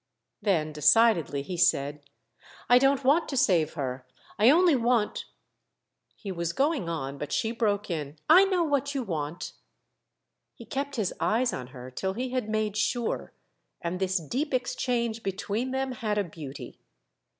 "Then decidedly," he said, "I don't want to save her. I only want—" He was going on, but she broke in: "I know what you want!" He kept his eyes on her till he had made sure—and this deep exchange between them had a beauty.